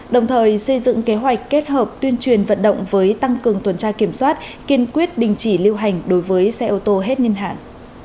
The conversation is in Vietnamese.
đồng thời xây dựng kế hoạch kết hợp tuyên truyền vận động với tăng cường tuần tra kiểm soát kiên quyết đình chỉ lưu hành đối với xe ô tô hết niên hạn